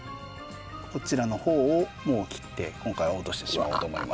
こちらのほうをもう切って今回は落としてしまおうと思います。